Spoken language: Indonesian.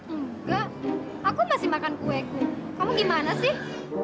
enggak aku masih makan kueku kamu gimana sih